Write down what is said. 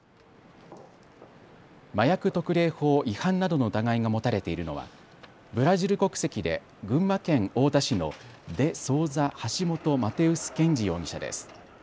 麻薬特例法違反などの疑いが持たれているのはブラジル国籍で群馬県太田市のデ・ソウザ・ハシモト・マテウス・ケンジ容疑者です。